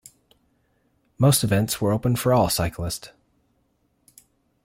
Most events were open for all cyclists.